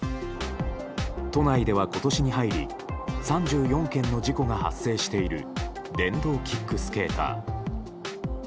都内では今年に入り３４件の事故が発生している電動キックスケーター。